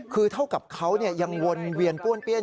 คือเท่ากับเขายังวนเวียนป้วนเปี้ยน